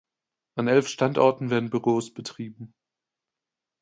An elf Standorten werden Büros betrieben.